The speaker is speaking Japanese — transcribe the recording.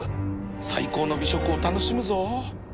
最高の美食を楽しむぞ